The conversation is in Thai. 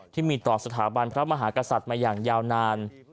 ที่มีต่อสถาบันพระมหากษัตริย์มาอย่างยาวนาน